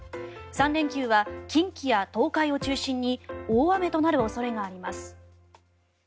３連休は近畿や東海を中心に大雨となる恐れがあります。